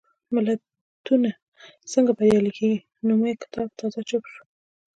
ملتونه څنګه بریالي کېږي؟ نومي کتاب تازه چاپ شو.